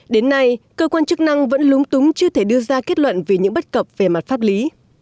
đến nay cơ quan chức năng vẫn lúng túng chưa thể đưa ra kết luận về những bất cập về mặt pháp lý